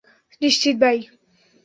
নিশ্চিত, বাই।